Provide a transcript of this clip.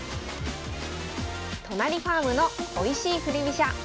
「都成ファームのおいしい振り飛車」。